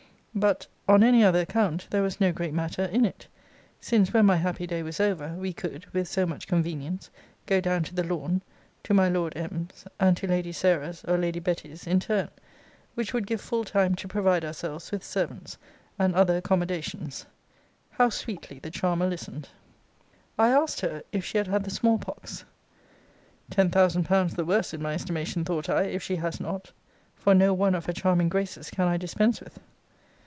But, on any other account, there was no great matter in it; since when my happy day was over, we could, with so much convenience, go down to The Lawn, to my Lord M.'s, and to Lady Sarah's or Lady Betty's, in turn; which would give full time to provide ourselves with servants and other accommodations. How sweetly the charmer listened! I asked her, if she had had the small pox? Ten thousand pounds the worse in my estimation, thought I, if she has not; for no one of her charming graces can I dispense with.